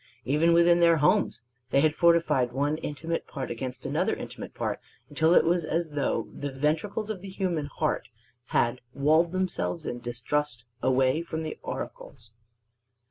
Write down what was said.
Even within their homes they had fortified one intimate part against another intimate part until it was as though the ventricles of the human heart had walled themselves in distrust away from the auricles.